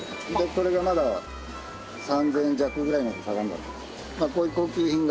これがまだ３０００円弱ぐらいまで下がる。